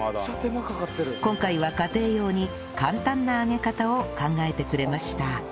今回は家庭用に簡単な揚げ方を考えてくれました